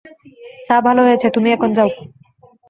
চা ভালো হয়েছে, তুমি এখন যাও।